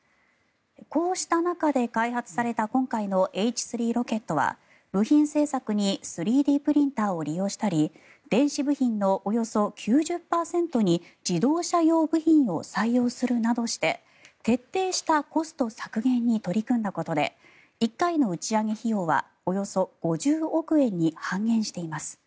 こうした中で開発された今回のＨ３ロケットは部品製作に３Ｄプリンターを利用したり電子部品のおよそ９０％に自動車用部品を採用するなどして徹底したコスト削減に取り組んだことで１回の打ち上げ費用はおよそ５０億円に半減しています。